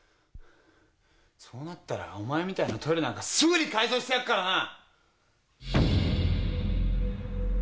そうなったらお前みたいなトイレなんかすぐに改造してやっからな！